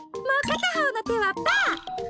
もうかたほうのてはパー！